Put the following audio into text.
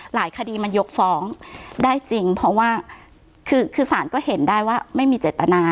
คดีมันยกฟ้องได้จริงเพราะว่าคือสารก็เห็นได้ว่าไม่มีเจตนา